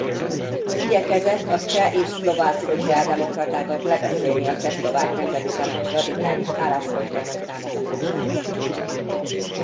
Igyekezett a cseh és szlovák szociáldemokratákat lebeszélni a Csehszlovák Nemzeti Tanács radikális álláspontjának támogatásáról.